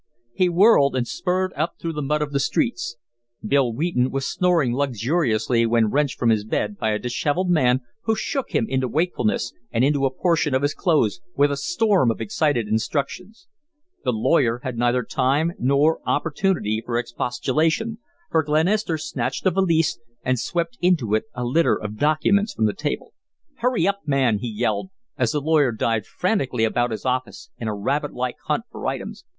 He whirled and spurred up through the mud of the streets. Bill Wheaton was snoring luxuriously when wrenched from his bed by a dishevelled man who shook him into wakefulness and into a portion of his clothes, with a storm of excited instructions. The lawyer had neither time nor opportunity for expostulation, for Glenister snatched a valise and swept into it a litter of documents from the table. "Hurry up, man," he yelled, as the lawyer dived frantically about his office in a rabbit like hunt for items.